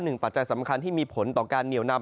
ปัจจัยสำคัญที่มีผลต่อการเหนียวนำ